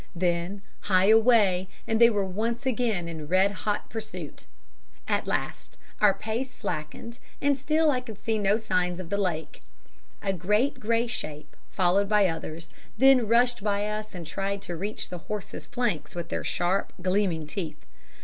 Then, hie away, and they were once again in red hot pursuit. At last our pace slackened, and still I could see no signs of the lake. A great grey shape, followed by others, then rushed by us and tried to reach the horses' flanks with their sharp, gleaming teeth.